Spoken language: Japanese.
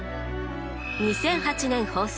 ２００８年放送。